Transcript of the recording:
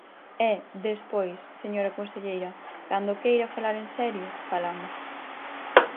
E, despois, señora conselleira, cando queira falar en serio, falamos.